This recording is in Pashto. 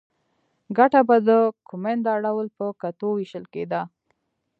ګټه به د کومېندا ډول ته په کتو وېشل کېده